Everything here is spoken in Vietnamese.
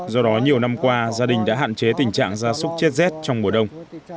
do đó nhiều năm qua gia đình đã hạn chế tình trạng gia súc chết rét trong mùa đông